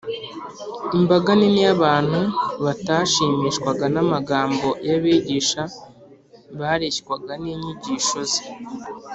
. Imbaga nini y’abantu batashimishwaga n’amagambo y’abigisha bareshywaga n’inyigisho Ze.